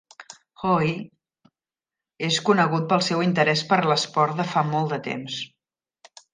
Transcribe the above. Hoey és conegut pel seu interès per l'esport de fa molt de temps.